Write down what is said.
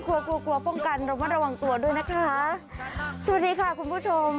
กลัวกลัวป้องกันระมัดระวังตัวด้วยนะคะสวัสดีค่ะคุณผู้ชม